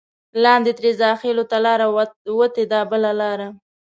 لاندې ترې زاخېلو ته لاره وتې ده بله لاره.